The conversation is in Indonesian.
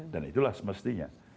dan itulah semestinya